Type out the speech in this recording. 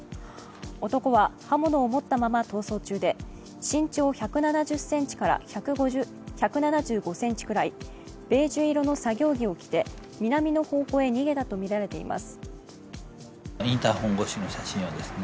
男は刃物を持ったまま逃走中で身長１７０ｃｍから１７５ｃｍくらい、ベージュ色の作業着を着て、南の方向に逃げたとみられています。